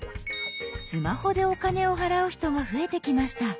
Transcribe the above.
スマホでお金を払う人が増えてきました。